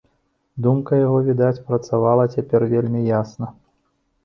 Думка яго, відаць, працавала цяпер вельмі ясна.